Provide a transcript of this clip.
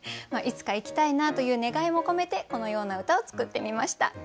いつか行きたいなという願いも込めてこのような歌を作ってみました。